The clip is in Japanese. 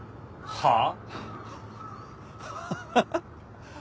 はあ？